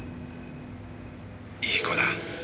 「いい子だ。